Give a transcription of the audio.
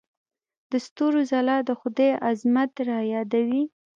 د ستورو ځلا د خدای عظمت رايادوي.